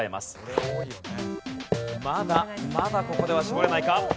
まだまだここでは絞れないか？